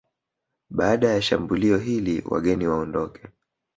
Baada ya shambulio hili wageni waondoke